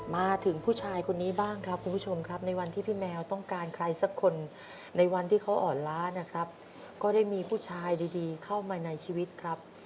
มาถึงผู้ชายคนนี้บ้างครับคุณผู้ชมครับในวันที่พี่แมวต้องการใครสักคนในวันที่เขาอ่อนล้านะครับก็ได้มีผู้ชายดีเข้ามาในชีวิตครับ